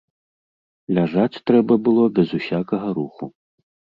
Ляжаць трэба было без усякага руху.